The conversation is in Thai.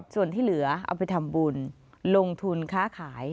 ส่วนที่เหลือเอาไปทำบุญลงทุนค้าขาย